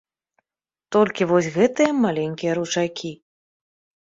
Толькі вось гэтыя маленькія ручайкі.